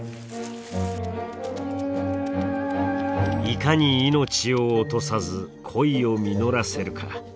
いかに命を落とさず恋を実らせるか。